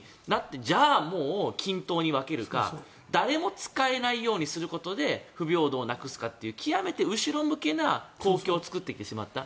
じゃあ均等に分けるか誰も使えないようにするかで不平等をなくすかという極めて後ろ向きな公共を作ってしまった。